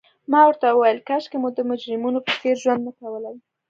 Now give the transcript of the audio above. ما ورته وویل: کاشکي مو د مجرمینو په څېر ژوند نه کولای.